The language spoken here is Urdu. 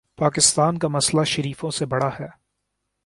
پاکستان کا مسئلہ شریفوں سے بڑا ہے۔